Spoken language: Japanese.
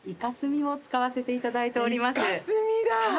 イカ墨だ！